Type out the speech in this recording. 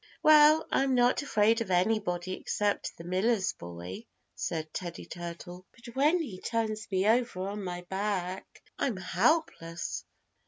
"Well, I'm not afraid of anybody except the Miller's Boy," said Teddy Turtle. "But when he turns me over on my back I'm helpless."